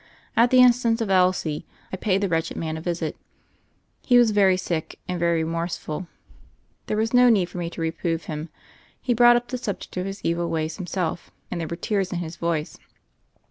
At the instance of Elsie, I paid the wretched, man a visit. He was very sick and very re morseful. There was no need for me to reprove him; he brought up the subject of his evil ways himself, and there were tears in his voice.